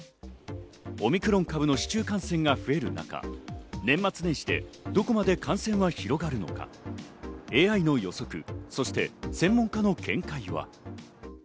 オミクロン株の市中感染が増える中、年末年始でどこまで感染が広がるのか、ＡＩの予測、そして専門家の見解は。